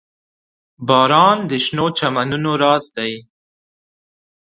• باران د شنو چمنونو راز دی.